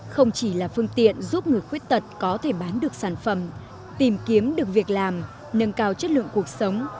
không chỉ là phương tiện giúp người khuyết tật có thể bán được sản phẩm tìm kiếm được việc làm nâng cao chất lượng cuộc sống